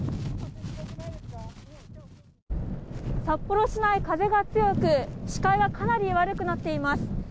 札幌市内、風が強く視界がかなり悪くなっています。